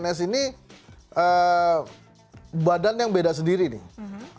pns ini badan yang beda sendiri nih